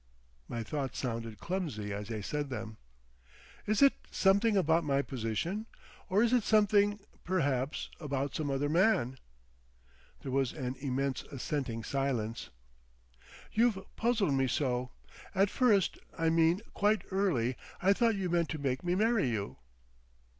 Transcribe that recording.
My thoughts sounded clumsy as I said them. "Is it something about my position?... Or is it something—perhaps—about some other man?" There was an immense assenting silence. "You've puzzled me so. At first—I mean quite early—I thought you meant to make me marry you."